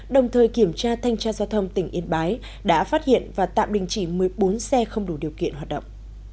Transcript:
đồng thời kiểm tra thanh tra giao thông tỉnh yên bái đã phát hiện và tạm đình chỉ một mươi bốn xe không đủ điều kiện hoạt động